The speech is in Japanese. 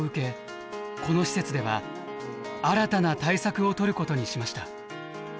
この施設では新たな対策をとることにしました。